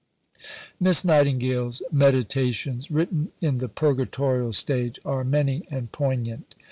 Miss Nightingale's meditations, written in the purgatorial stage, are many and poignant.